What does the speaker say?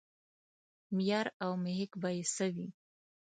معیار او محک به یې څه وي.